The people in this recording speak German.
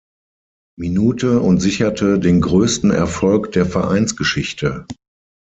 Minute und sicherte den größten Erfolg der Vereinsgeschichte.